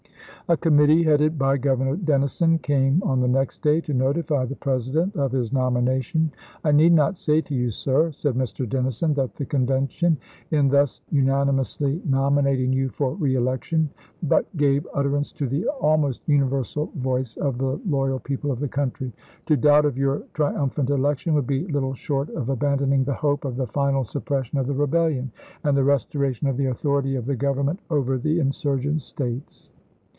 ms. A committee, headed by Governor Dennison, came on the next day to notify the President of his nomination. " I need not say to you, sir," said June?, & Mr. Dennison, " that the Convention, in thus unani mously nominating you for reelection, but gave utterance to the almost universal voice of the loyal people of the country. To doubt of your trium phant election would be little short of abandoning the hope of the final suppression of the Rebellion and the restoration of the authority of the Govern ment over the insurgent States."